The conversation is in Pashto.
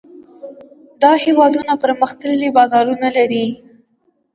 دا هېوادونه پرمختللي بازارونه لري.